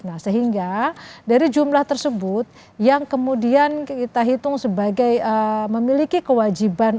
nah sehingga dari jumlah tersebut yang kemudian kita hitung sebagai memiliki kewajiban